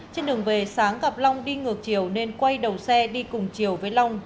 trên đường về sáng gặp long đi ngược chiều nên quay đầu xe đi cùng chiều với long